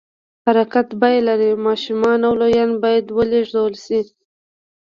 حرکت بیه لري، ماشومان او لویان باید ولېږدول شي.